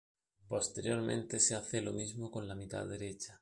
Posteriormente se hace lo mismo con la mitad derecha.